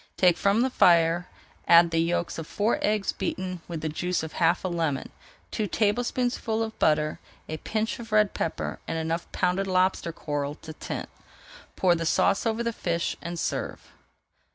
Take from the fire, add the yolks of four eggs beaten with the juice of half a lemon, two tablespoonfuls of butter, a pinch of red pepper, and enough pounded lobster coral to tint. Pour the sauce over the fish and serve.